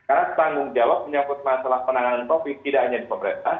karena tanggung jawab menyangkut masalah penanganan covid tidak hanya di pemerintah